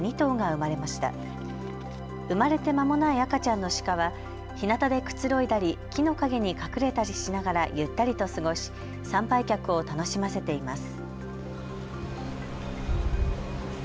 生まれてまもない赤ちゃんのシカはひなたでくつろいだり木の陰に隠れたりしながらゆったりと過ごし参拝客を楽しませています。